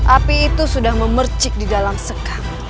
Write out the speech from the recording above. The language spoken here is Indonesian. api itu sudah memercik di dalam sekam